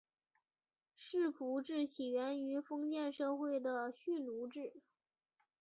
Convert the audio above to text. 世仆制起源于封建社会的蓄奴制。